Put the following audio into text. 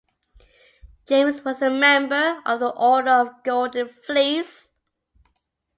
James was a member of the Order of the Golden Fleece.